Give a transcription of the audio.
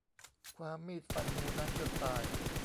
คว้ามีดฟันงูนั้นจนตาย